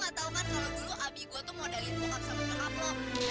gak usah ngomong macem macem deh